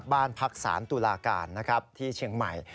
บ้านพักศาลตุลาการนะครับที่เชียงใหม่